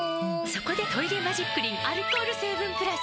そこで「トイレマジックリン」アルコール成分プラス！